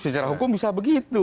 secara hukum bisa begitu